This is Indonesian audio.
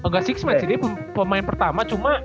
gak enam man sih dia pemain pertama cuma